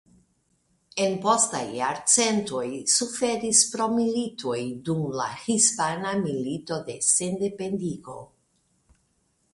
En postaj jarcentoj suferis pro militoj dum la Hispana Milito de Sendependigo.